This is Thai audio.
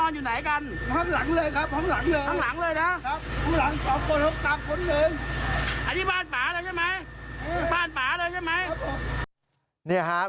ลูกกระหลาน